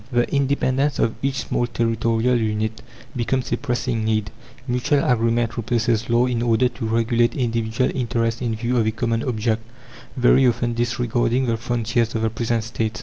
The independence of each small territorial unit becomes a pressing need; mutual agreement replaces law in order to regulate individual interests in view of a common object very often disregarding the frontiers of the present States.